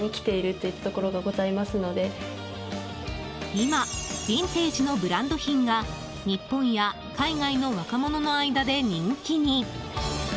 今、ビンテージのブランド品が日本や海外の若者の間で人気に。